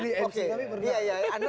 tapi buat publik